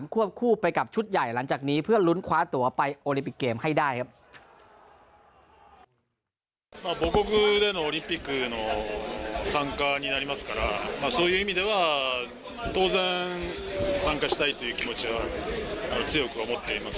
วบคู่ไปกับชุดใหญ่หลังจากนี้เพื่อลุ้นคว้าตัวไปโอลิปิกเกมให้ได้ครับ